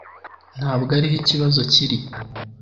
Ntabwo ariho ikibazo kiri